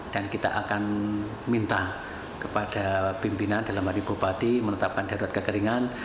dan kita akan minta kepada pimpinan dalam hari bupati menetapkan darurat kekeringan